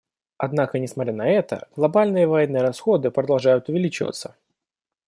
Однако несмотря на это, глобальные военные расходы продолжают увеличиваться.